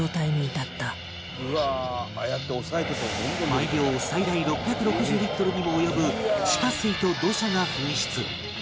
毎秒最大６６０リットルにも及ぶ地下水と土砂が噴出